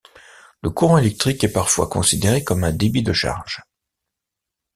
Le courant électrique est parfois considéré comme un débit de charges.